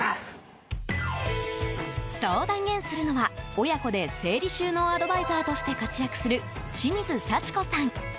そう断言するのは、親子で整理収納アドバイザーとして活躍する清水幸子さん。